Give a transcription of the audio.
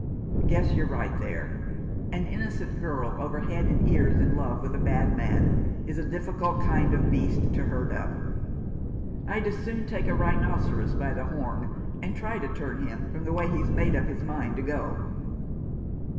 " Guess you're right there. An innocent girl over head and ears in love with a bad man is a difficult kind of beast to herd up. I'd as soon take a rhinoceros by the horn and try to turn him from the way he's made up his mind to go."